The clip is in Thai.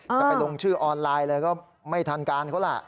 จะไปลงชื่อออนไลน์อะไรก็ไม่ทันการเขาล่ะ